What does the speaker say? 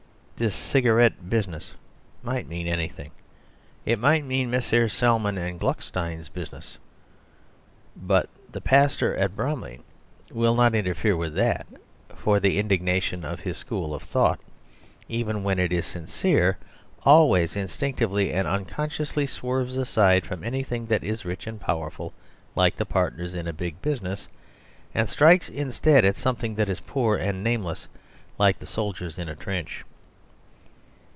"This cigarette business" might mean anything. It might mean Messrs. Salmon and Gluckstein's business. But the pastor at Bromley will not interfere with that, for the indignation of his school of thought, even when it is sincere, always instinctively and unconsciously swerves aside from anything that is rich and powerful like the partners in a big business, and strikes instead something that is poor and nameless like the soldiers in a trench.